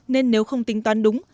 nên nếu không tính toán đúng